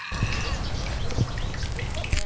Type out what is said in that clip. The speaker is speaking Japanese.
ねえ。